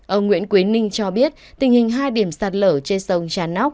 ông nguyễn quế ninh cho biết tình hình hai điểm sạt lở trên sông trà nóc